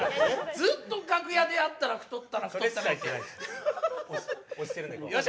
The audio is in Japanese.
ずっと楽屋であったら太ったとか。